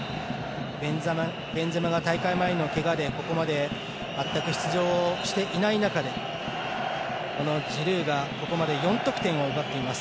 ベンゼマが大会前のけがでここまで全く出場していない中でジルーがここまで４得点を奪っています。